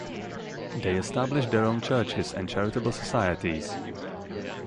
They established their own churches and charitable societies.